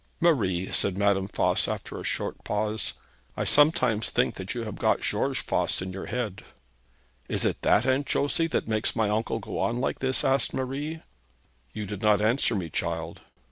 'Marie,' said Madame Voss after a short pause, 'I sometimes think that you still have got George Voss in your head.' 'Is it that, Aunt Josey, that makes my uncle go on like this?' asked Marie. 'You do not answer me, child.'